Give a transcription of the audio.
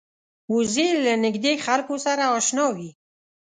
وزې له نږدې خلکو سره اشنا وي